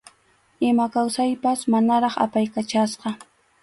Ima kawsaypas manaraq apaykachasqa.